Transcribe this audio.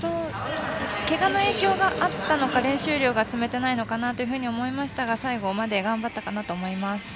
けがの影響があったのか練習量がつめていないのかなというふうに思いましたが最後まで頑張ったかなと思います。